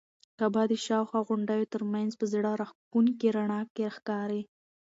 کعبه د شاوخوا غونډیو تر منځ په زړه راښکونکي رڼا کې ښکاري.